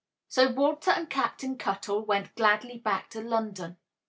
So Walter and Captain Cuttle went gladly back to London.